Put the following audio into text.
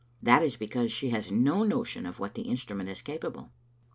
That is because she has no notion of what the instrument is capable.